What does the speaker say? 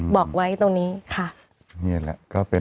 บอกไว้ตรงนี้ค่ะ